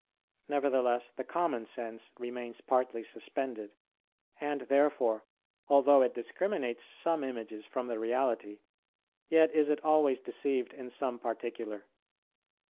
Nevertheless, the common sense remains partly suspended; and therefore, although it discriminates some images from the reality, yet is it always deceived in some particular.